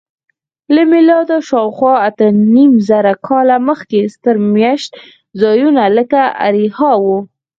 له میلاده شاوخوا اتهنیمزره کاله مخکې ستر میشت ځایونه لکه اریحا وو.